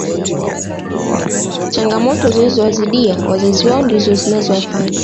changamoto zilizowazida wazazi wao ndizo zinawafanya